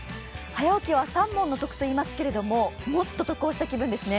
早起きは三文の得と言いますけれども、もっと得した気分ですね。